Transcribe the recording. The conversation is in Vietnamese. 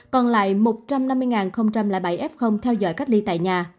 còn lại một trăm năm mươi bảy f theo dõi cách ly tại nhà